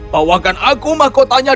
bawakan aku mahkotanya